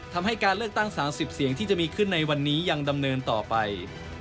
ทำให้การเลือกตั้ง๓๐เสียงที่จะมีขึ้นในวันนี้ยังดำเนินต่อไป